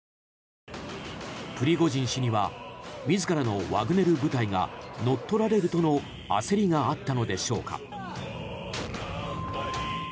プリゴジン氏には自らのワグネル部隊が乗っ取られるとの焦りがあったのでしょうか。